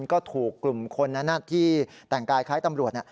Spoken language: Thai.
ก็ถูกกลุ่มคนนั้นที่แต่งกายคล้ายตำรวจ